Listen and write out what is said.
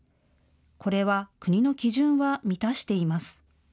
これは国の基準は満たしています。